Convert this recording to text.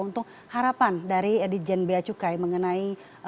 untuk harapan dari di jnb acukai mengenai